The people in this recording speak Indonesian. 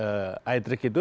beberapa trik eye trik itu